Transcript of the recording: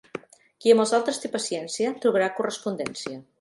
Qui amb els altres té paciència trobarà correspondència.